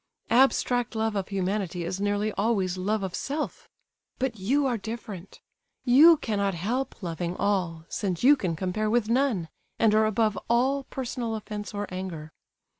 Abstract love of humanity is nearly always love of self. But you are different. You cannot help loving all, since you can compare with none, and are above all personal offence or anger.